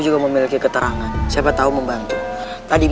rai rara santan